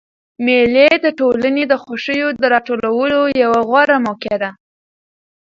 مېلې د ټولني د خوښیو د راټولولو یوه غوره موقع ده.